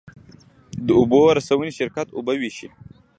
د اوبو رسونې شرکت اوبه ویشي